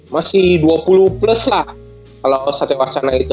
masih dua puluh plus lah kalo satya wacana itu